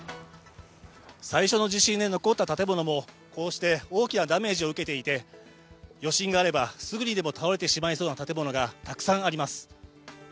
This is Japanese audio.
最初の地震で残った建物もこうして大きなダメージを受けていて余震があればすぐにでも倒れてしまいそうな建物がたくさんあります。